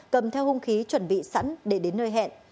cầm theo hung khí chuẩn bị sẵn để đến nơi hẹn